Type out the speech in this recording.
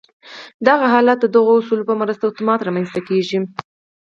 دا حالت د دغو اصولو په مرسته اتومات رامنځته کېږي